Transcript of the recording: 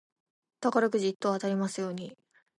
宝くじ一等当たりますように。